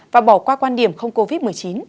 và bỏ qua quan điểm không covid một mươi chín